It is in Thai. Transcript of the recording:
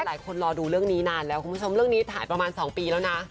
รอดูเรื่องนี้นานแล้วคุณผู้ชมเรื่องนี้ถ่ายประมาณ๒ปีแล้วนะ